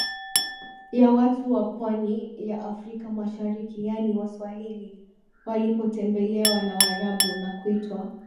ya watu wa pwani ya Afrika mashariki yaani Waswahili walipotembelewa na Waarabu na kuitwa